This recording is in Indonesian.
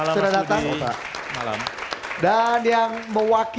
selamat malam pak budi